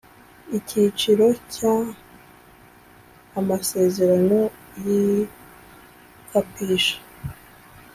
Icyiciro cya Amasezerano y’icapisha.